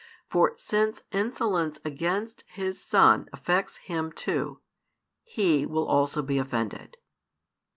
For since insolence against His Son affects Him too, He will also be offended.